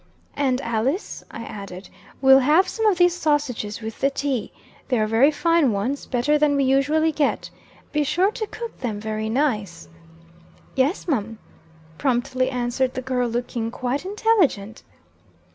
"And Alice," I added, "we'll have some of these sausages with the tea. They are very fine ones better than we usually get. Be sure to cook them very nice." "Yes, mum," promptly answered the girl, looking quite intelligent.